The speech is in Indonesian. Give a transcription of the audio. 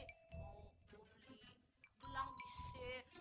mau beli gelang bisa